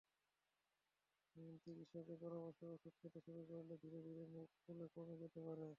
চিকিত্সকের পরামর্শে ওষুধ খেতে শুরু করলে ধীরে ধীরে মুখ ফোলা কমে যেতে পারে।